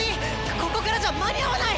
ここからじゃ間に合わない！